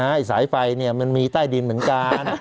ไอ้สายไฟเนี่ยมันมีใต้ดินเหมือนกัน